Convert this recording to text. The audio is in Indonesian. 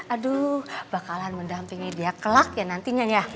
aduh bakalan mendampingi dia kelak ya nantinya ya